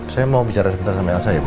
saya mau bicara sebentar sama elsa ya bu